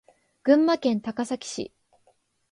群馬県高崎市